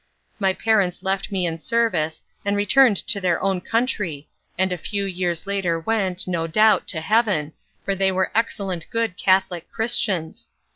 My parents left me in service and returned to their own country, and a few years later went, no doubt, to heaven, for they were excellent good Catholic Christians.